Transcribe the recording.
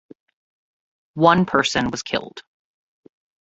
One person was killed.